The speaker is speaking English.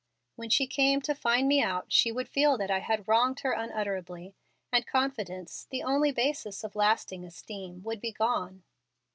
When she came to find me out she would feel that I had wronged her unutterably, and confidence, the only basis of lasting esteem, would be gone.